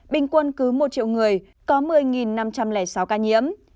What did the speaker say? bình quân cứ một triệu người có một mươi năm trăm linh sáu ca nhiễm